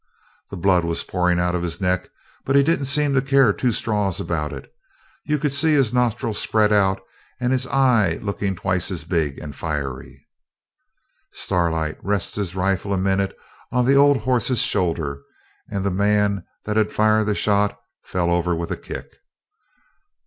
The blood was pouring out of his neck, but he didn't seem to care two straws about it. You could see his nostril spread out and his eye looking twice as big and fiery. Starlight rests his rifle a minute on the old horse's shoulder, and the man that had fired the shot fell over with a kick.